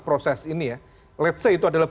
proses ini ya let's say itu adalah